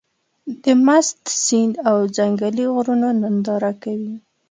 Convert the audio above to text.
د مست سيند او ځنګلي غرونو ننداره کوې.